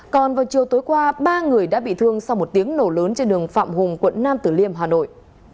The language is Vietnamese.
còn vào chiều tối qua ba người đã bị thương sau một tiếng nổ lớn trên đường phạm hùng quận năm tử liêm hà nội